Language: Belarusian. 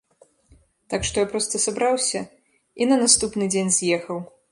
Так што я проста сабраўся і на наступны дзень з'ехаў.